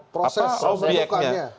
proses dan objeknya